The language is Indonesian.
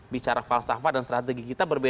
bicara falsafah dan strategi